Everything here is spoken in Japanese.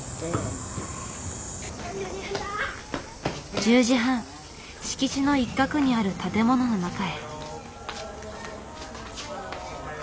１０時半敷地の一角にある建物の中へ。